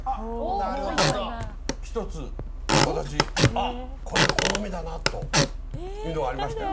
なるほど１つ私あっこれ好みだなというのがありましたよ